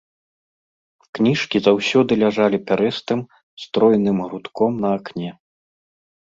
Кніжкі заўсёды ляжалі пярэстым, стройным грудком на акне.